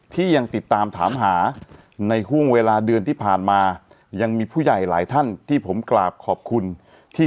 ที่ยังติดตามถามหาในห่วงเวลาเดือนที่ผ่านมายังมีผู้ใหญ่หลายท่านที่ผมกราบขอบคุณที่